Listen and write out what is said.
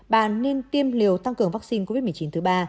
bạn nên tiêm liều tăng cường vắc xin covid một mươi chín thứ ba